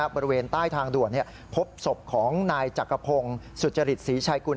บริเวณใต้ทางด่วนพบศพของนายจักรพงศ์สุจริตศรีชายกุล